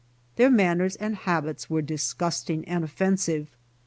, Their manners and habits were dis gusting and offensive.